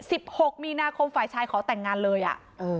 หกมีนาคมฝ่ายชายขอแต่งงานเลยอ่ะเออ